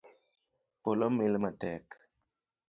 Polo mil matek.